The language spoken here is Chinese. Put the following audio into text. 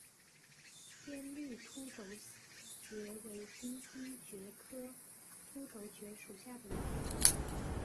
鲜绿凸轴蕨为金星蕨科凸轴蕨属下的一个种。